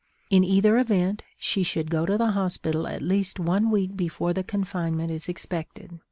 In either event, she should go to the hospital at least one week before the confinement is expected.